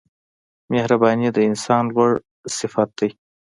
• مهرباني د انسان لوړ صفت دی.